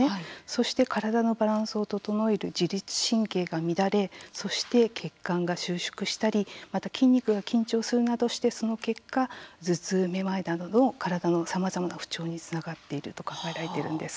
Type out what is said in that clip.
そして体のバランスを整える自律神経が乱れそして、血管が収縮したりまた、筋肉が緊張するなどしてその結果、頭痛、めまいなどの体のさまざまな不調につながっていると考えられているんです。